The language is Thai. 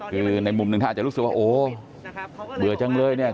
คือในมุมหนึ่งท่านอาจจะรู้สึกว่าโอ้เบื่อจังเลยเนี่ย